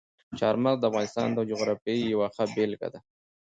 چار مغز د افغانستان د جغرافیې یوه ښه بېلګه ده.